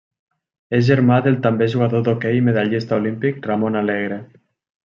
És germà del també jugador d'hoquei i medallista olímpic Ramon Alegre.